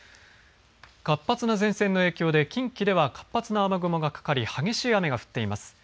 活発な前線の影響で近畿では活発な雨雲がかかり激しい雨が降っています。